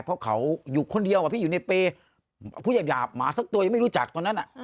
เพราะเขาอยู่คนเดียวพี่อยู่ในเปย์พูดหยาบหมาสักตัวยังไม่รู้จักตอนนั้น